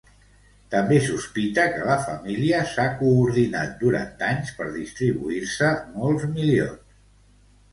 També sospita que la família s'ha coordinat durant anys per distribuir-se molts milions.